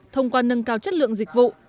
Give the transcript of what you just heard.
thông qua nâng cao chất lượng dịch vụ